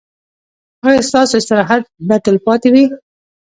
ایا ستاسو استراحت به تلپاتې وي؟